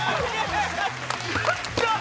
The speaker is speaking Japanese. やったー！